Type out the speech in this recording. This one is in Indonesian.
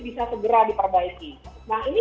bisa segera diperbaiki nah ini